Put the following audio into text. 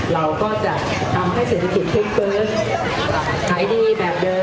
เราก็จะทำให้เศรษฐกิจขึ้นเปิด